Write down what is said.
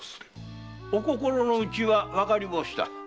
御心のうちはわかり申した。